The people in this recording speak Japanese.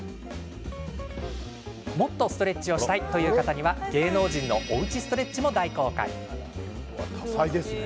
もっとストレッチをしたいという方には芸能人のおうちストレッチも大公開。